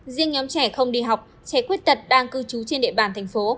riêng nhóm trẻ không đi học trẻ quyết tật đang cư trú trên đệ bàn thành phố